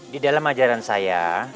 di dalam ajaran saya